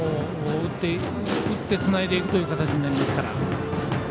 打ってつないでいるという形になりますから。